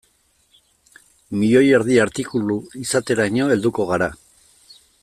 Milioi erdi artikulu izateraino helduko gara.